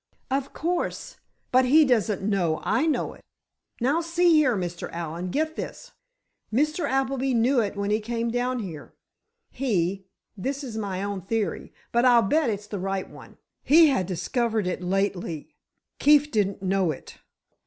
"Of course; but he doesn't know I know it. Now, see here, Mr. Allen, get this. Mr. Appleby knew it when he came down here. He—this is only my own theory, but I'll bet it's the right one—he had discovered it lately; Keefe didn't know it.